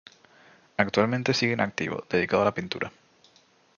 Actualmente sigue en activo, dedicado a la pintura.